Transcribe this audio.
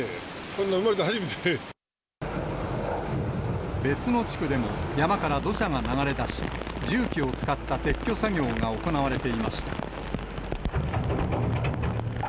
こんな別の地区でも、山から土砂が流れ出し、重機を使った撤去作業が行われていました。